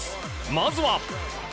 まずは。